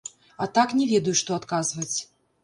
А так не ведаю, што адказваць.